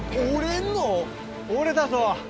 折れたぞ。